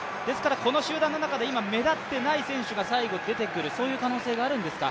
この集団の中で今目立っていない選手が最後に出てくるそういう可能性があるんですか？